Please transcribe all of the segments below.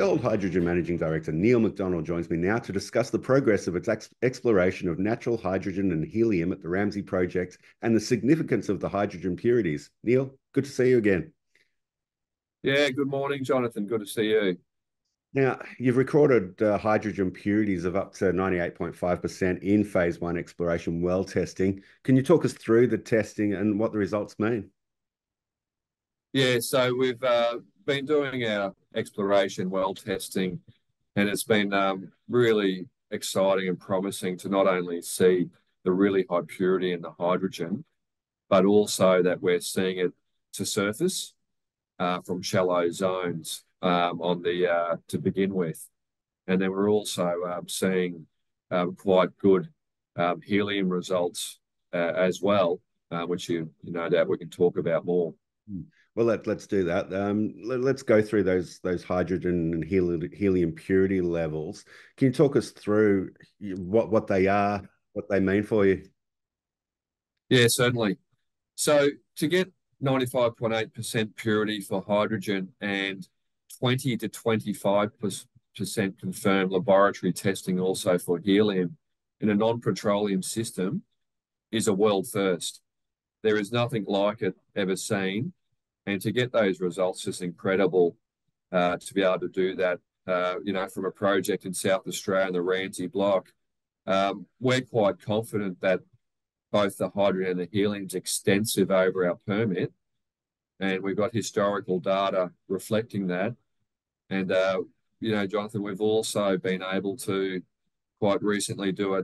Gold Hydrogen Managing Director Neil McDonald joins me now to discuss the progress of its exploration of natural hydrogen and helium at the Ramsay Project and the significance of the hydrogen purities. Neil, good to see you again. Yeah, good morning, Jonathan. Good to see you. Now, you've recorded hydrogen purities of up to 98.5% in phase I exploration well testing. Can you talk us through the testing and what the results mean? Yeah, so we've been doing our exploration well testing, and it's been really exciting and promising to not only see the really high purity in the hydrogen, but also that we're seeing it to surface from shallow zones to begin with. And then we're also seeing quite good helium results as well, which you no doubt we can talk about more. Let's do that. Let's go through those hydrogen and helium purity levels. Can you talk us through what they are, what they mean for you? Yeah, certainly. So to get 95.8% purity for hydrogen and 20%-25% confirmed laboratory testing also for helium in a non-petroleum system is a world first. There is nothing like it ever seen. And to get those results is incredible to be able to do that, you know, from a project in South Australia, the Ramsay Block. We're quite confident that both the hydrogen and the helium are extensive over our permit, and we've got historical data reflecting that. And, you know, Jonathan, we've also been able to quite recently do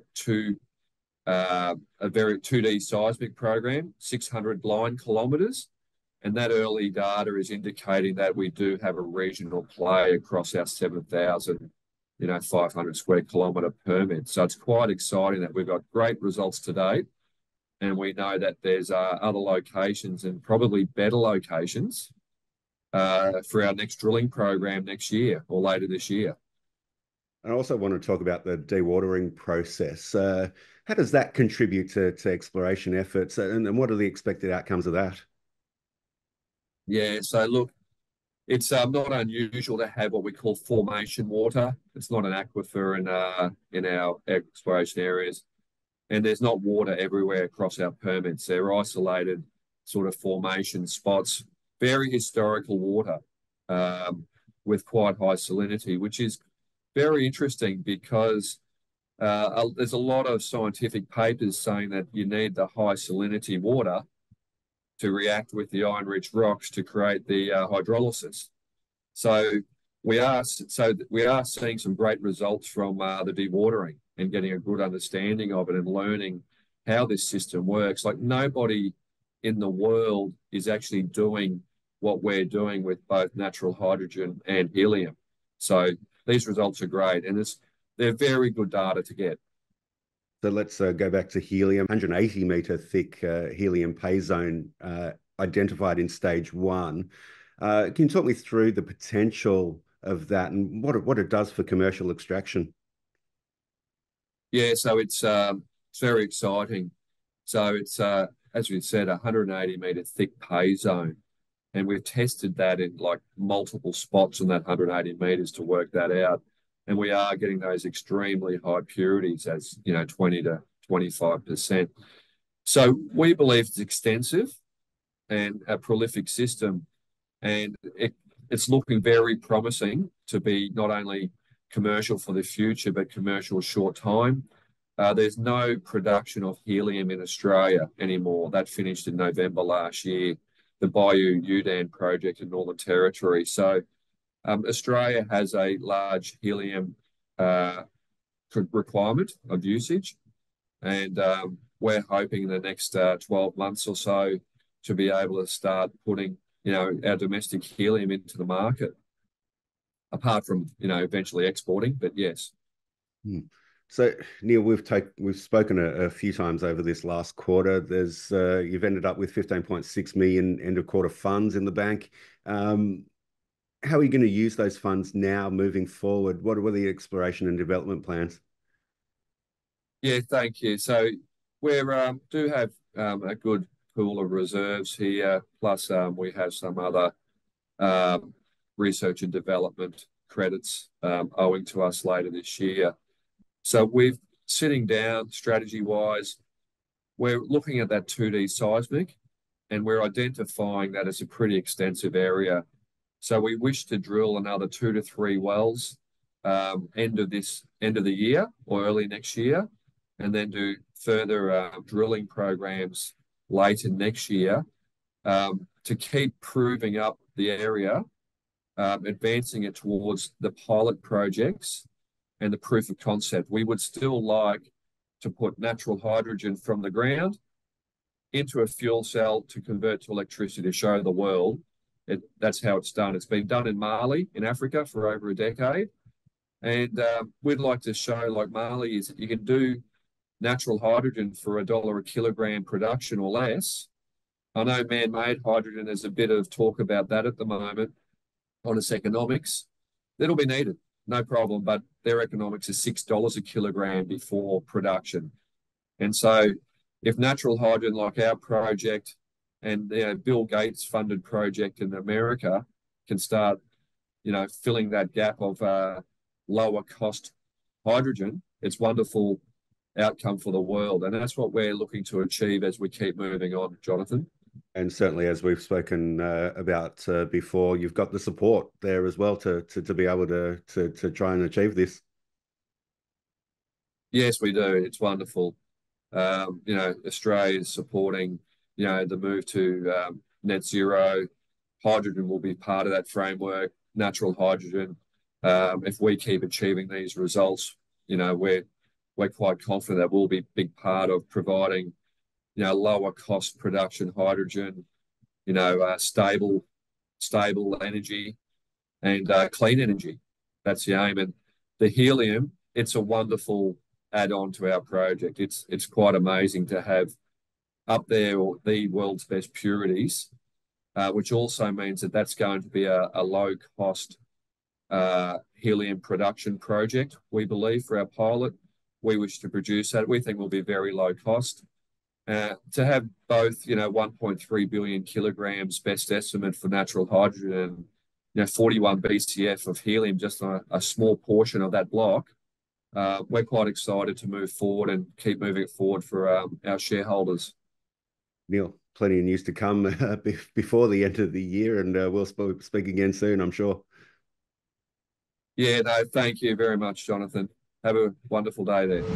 a very 2D seismic program, 600km. And that early data is indicating that we do have a regional play across our 7,500 sq km permit. So it's quite exciting that we've got great results to date. We know that there's other locations and probably better locations for our next drilling program next year or later this year. I also want to talk about the dewatering process. How does that contribute to exploration efforts, and what are the expected outcomes of that? Yeah, so look, it's not unusual to have what we call formation water. It's not an aquifer in our exploration areas. And there's not water everywhere across our permits. They're isolated sort of formation spots, very historical water with quite high salinity, which is very interesting because there's a lot of scientific papers saying that you need the high salinity water to react with the iron-rich rocks to create the hydrolysis. So we are seeing some great results from the dewatering and getting a good understanding of it and learning how this system works. Like nobody in the world is actually doing what we're doing with both natural hydrogen and helium. So these results are great, and they're very good data to get. So let's go back to helium. 180m thick helium pay zone identified in Stage 1. Can you talk me through the potential of that and what it does for commercial extraction? Yeah, so it's very exciting. So it's, as we said, a 180m thick pay zone, and we've tested that in like multiple spots in that 180m to work that out. And we are getting those extremely high purities as, you know, 20%-25%. So we believe it's extensive and a prolific system, and it's looking very promising to be not only commercial for the future, but commercial short term. There's no production of helium in Australia anymore. That finished in November last year, the Bayu-Undan project in Northern Territory. So Australia has a large helium requirement of usage, and we're hoping in the next 12 months or so to be able to start putting, you know, our domestic helium into the market, apart from, you know, eventually exporting, but yes. Neil, we've spoken a few times over this last quarter. You've ended up with 15.6 million end of quarter funds in the bank. How are you going to use those funds now moving forward? What are the exploration and development plans? Yeah, thank you. So we do have a good pool of reserves here, plus we have some other research and development credits owing to us later this year. So we're sitting down strategy-wise, we're looking at that 2D seismic, and we're identifying that as a pretty extensive area. So we wish to drill another two to three wells end of the year or early next year, and then do further drilling programs later next year to keep proving up the area, advancing it towards the pilot projects and the proof of concept. We would still like to put natural hydrogen from the ground into a fuel cell to convert to electricity to show the world. That's how it's done. It's been done in Mali in Africa for over a decade. We'd like to show, like, Mali is you can do natural hydrogen for a dollar a kilogram production or less. I know man-made hydrogen is a bit of talk about that at the moment on its economics. It'll be needed, no problem, but their economics is 6 dollars/kg before production. And so if natural hydrogen like our project and Bill Gates funded project in America can start, you know, filling that gap of lower cost hydrogen, it's a wonderful outcome for the world. And that's what we're looking to achieve as we keep moving on, Jonathan. Certainly as we've spoken about before, you've got the support there as well to be able to try and achieve this. Yes, we do. It's wonderful. You know, Australia is supporting, you know, the move to net zero. Hydrogen will be part of that framework, natural hydrogen. If we keep achieving these results, you know, we're quite confident that we'll be a big part of providing, you know, lower cost production hydrogen, you know, stable energy and clean energy. That's the aim, and the helium, it's a wonderful add-on to our project. It's quite amazing to have up there the world's best purities, which also means that that's going to be a low cost helium production project. We believe for our pilot, we wish to produce that. We think it will be very low cost. To have both, you know, 1.3 billion kg, best estimate for natural hydrogen, you know, 41 BCF of helium, just a small portion of that block, we're quite excited to move forward and keep moving it forward for our shareholders. Neil, plenty of news to come before the end of the year, and we'll speak again soon, I'm sure. Yeah, no, thank you very much, Jonathan. Have a wonderful day there.